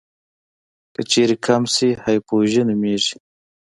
که چیرې کم شي هایپوژي نومېږي.